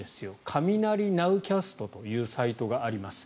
雷ナウキャストというサイトがあります。